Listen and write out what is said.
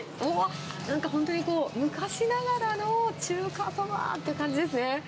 なんか本当に昔ながらの中華そばって感じですね。